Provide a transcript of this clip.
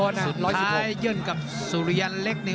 สุดท้ายยื่นกับสุริยันเล็กนี่